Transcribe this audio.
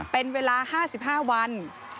เป็นเวลา๕๕วัน